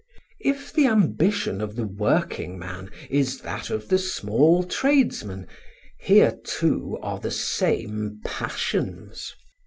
If the ambition of the working man is that of the small tradesman, here, too, are the same passions.